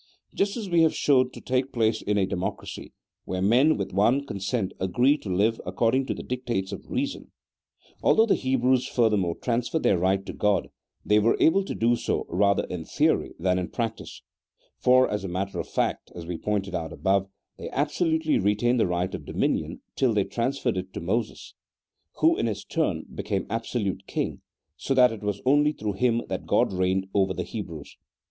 Just as we have shown to take place in a democracy, where men with one consent agree to live according to the dictates of reason. Although the Hebrews furthermore transferred their right to God "they were able to do so rather in theory than in practice, for, as a matter of fact (as we pointed out above) they absolutely retained the right of dominion till they transferred it to Moses, who in his turn became absolute king, so that it was only through him that God reigned over the Hebrews.